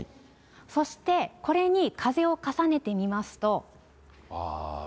そしてこれに風を重ねてみますと。